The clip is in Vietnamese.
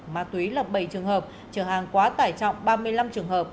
ma túy là bảy trường hợp trường hàng quá tải trọng ba mươi năm trường hợp